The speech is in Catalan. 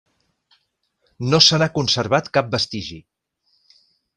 No se n'ha conservat cap vestigi.